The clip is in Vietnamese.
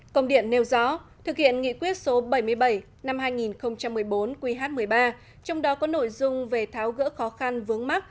công điện nêu rõ thực hiện nghị quyết số bảy mươi bảy năm hai nghìn một mươi bốn qh một mươi ba trong đó có nội dung về tháo gỡ khó khăn vướng mắt